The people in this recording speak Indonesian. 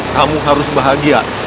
kamu harus bahagia